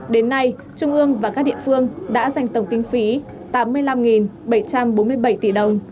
đến nay trung ương và các địa phương đã dành tổng kinh phí tám mươi năm bảy trăm bốn mươi bảy tỷ đồng